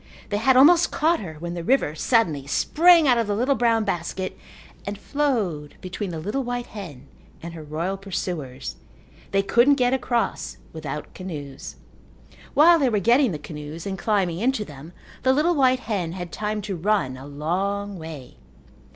They had almost caught her when the river suddenly sprang out of the little brown basket and flowed between the little white hen and her royal pursuers. They couldn't get across without canoes. While they were getting the canoes and climbing into them the little white hen had time to run a long way.